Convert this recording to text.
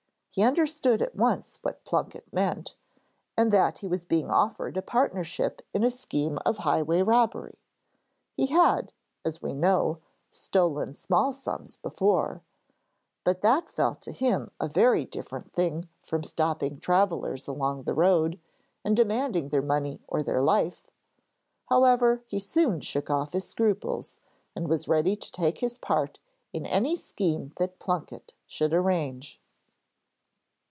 He understood at once what Plunket meant, and that he was being offered a partnership in a scheme of highway robbery. He had, as we know, stolen small sums before, but that felt to him a very different thing from stopping travellers along the road, and demanding 'their money or their life.' However, he soon shook off his scruples, and was ready to take his part in any scheme that Plunket should arrange.